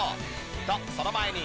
とその前に。